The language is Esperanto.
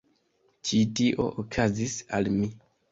Ĉi tio okazis al mi.